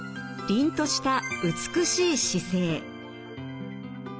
りんとした美しい姿勢。